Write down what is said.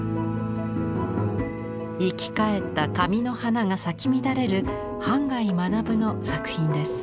生き返った紙の花が咲き乱れる半谷学の作品です。